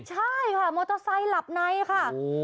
ใช่ค่ะมอเตอร์ไซค์หลับในค่ะ